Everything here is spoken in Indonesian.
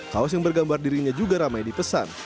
kaos yang bergambar dirinya juga ramai dipesan